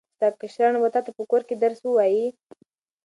ستا کشران وروڼه به تاته په کور کې درس ووایي.